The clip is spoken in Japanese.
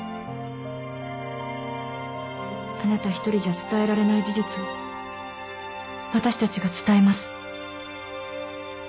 あなた一人じゃ伝えられない事実を私たちが伝えます。